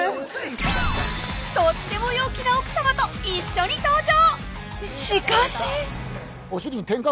とっても陽気な奥さまと一緒に登場！